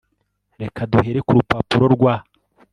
Reka duhere ku rupapuro rwa